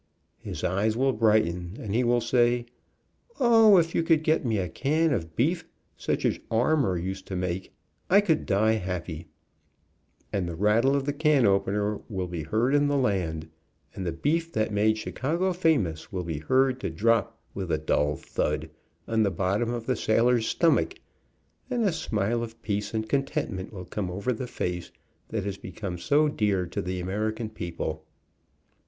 His eyes will brighten, and he will say, "O, if you could get me a can of beef such as Armour used to make, I could die happy," and the rattle of the can opener will be heard in the land, and the beef that made THE GOAT MEAT HABIT 79 Chicago famous will be heard to drop with a dull thud on the bottom of the sailor's stomach, and a smile of peace and contentment will come over the face that has become so dear to the American people.